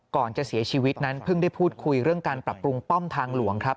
ก่อนจะเสียชีวิตนั้นเพิ่งได้พูดคุยเรื่องการปรับปรุงป้อมทางหลวงครับ